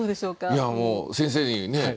いやもう先生にね。